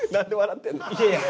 いやいや！